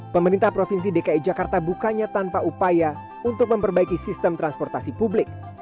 pemerintah provinsi dki jakarta bukannya tanpa upaya untuk memperbaiki sistem transportasi publik